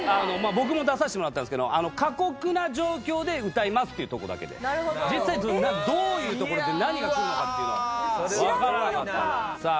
僕も出さしてもらったんですけどっていうとこだけで実際どういうところで何がくるのかっていうのはわからなかったさあ